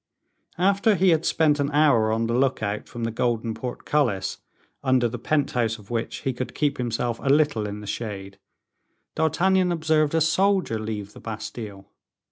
After he had spent an hour on the look out from the "Golden Portcullis," under the pent house of which he could keep himself a little in the shade, D'Artagnan observed a soldier leave the Bastile.